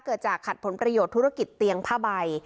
เกิดจากขัดผลประโยชน์ธุรกิจเตียงผ้าใบ